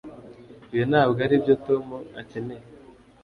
Ibi ntabwo aribyo Tom akeneye